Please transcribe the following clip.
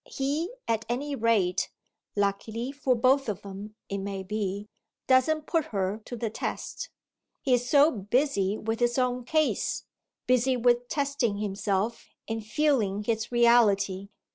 He at any rate, luckily for both of them it may be, doesn't put her to the test: he is so busy with his own case, busy with testing himself and feeling his reality.